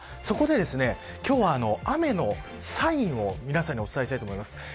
そこで今日は雨のサインを皆さんにお伝えしたいと思います。